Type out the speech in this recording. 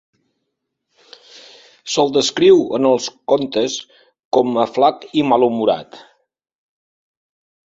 Se'l descriu en els contes com a flac i malhumorat.